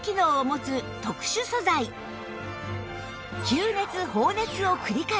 吸熱放熱を繰り返し